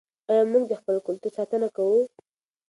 آیا موږ د خپل کلتور ساتنه کوو؟